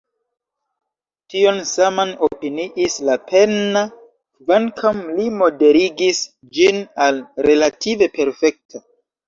Tion saman opiniis Lapenna, kvankam li moderigis ĝin al “relative perfekta”.